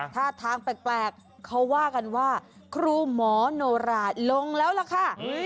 ท่าทางแปลกเขาว่ากันว่าครูหมอโนราลงแล้วล่ะค่ะ